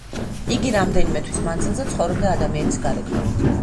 იგი რამდენიმე თვის მანძილზე ცხოვრობდა ადამიანის გარეგნობით.